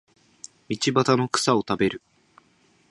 道端の草を食べる